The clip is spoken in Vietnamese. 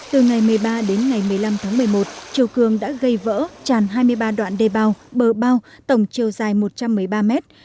từ ngày một mươi ba đến ngày một mươi năm tháng một mươi một chiều cường đã gây vỡ tràn hai mươi ba đoạn đê bao bờ bao tổng chiều dài một trăm một mươi ba mét